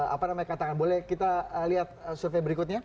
apa namanya katakan boleh kita lihat survei berikutnya